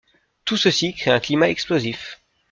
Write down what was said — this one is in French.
Tout ceci crée un climat explosif.